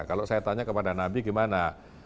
kalau saya tanya kepada nabi gimana